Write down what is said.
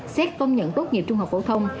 xét công nhận tốt nghiệp trung học phổ thông